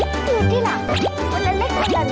ที่หลังเวลาเล่นเวลาหนอย